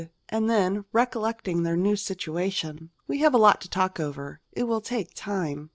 And then, recollecting their new situation: "We have a lot to talk over. It will take time."